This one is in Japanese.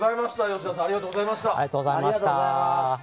吉田さんありがとうございました。